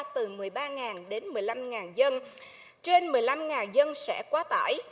từ một mươi ba đến một mươi năm dân trên một mươi năm dân sẽ quá tải